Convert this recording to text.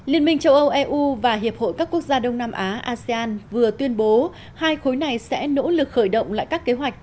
liên minh châu âu eu và hiệp hội các quốc gia đông nam á asean vừa tuyên bố hai khối này sẽ nỗ lực khởi động lại các kế hoạch